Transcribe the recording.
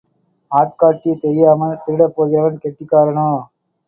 ஆட்காட்டி தெரியாமல் திருடப் போகிறவன் கெட்டிக்காரனோ?